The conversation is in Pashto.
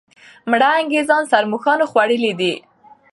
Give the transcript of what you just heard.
مړه انګریزان ښرموښانو خوړلي دي.